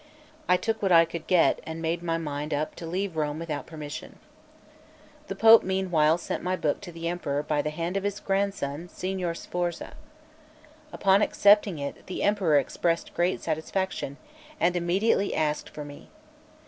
I took what I could get and made my mind up to leave Rome without permission. The Pope meanwhile sent my book to the Emperor by the hand of his grandson Signor Sforza. Upon accepting it, the Emperor expressed great satisfaction, and immediately asked for me.